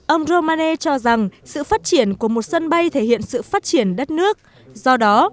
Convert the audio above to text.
ông romane cho rằng sự phát triển của một sân bay thể hiện sự phát triển đất nước do đó